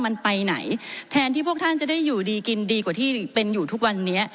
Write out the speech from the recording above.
มันไปไหนแทนที่พวกท่านจะได้อยู่ดีกินดีกว่าที่เป็นอยู่ทุกวันนี้